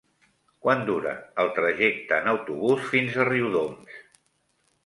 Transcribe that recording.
Quant dura el trajecte en autobús fins a Riudoms?